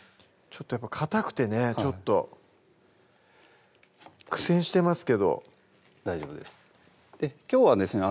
ちょっとやっぱかたくてねちょっと苦戦してますけど大丈夫ですきょうはですね